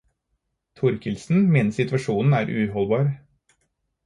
Thorkildsen mener situasjonen er uholdbar.